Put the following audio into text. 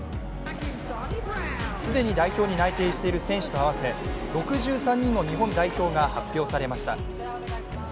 既に代表に内定している選手と合わせ、６３人の日本代表が発表されました。